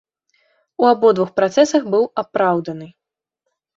У абодвух працэсах быў апраўданы.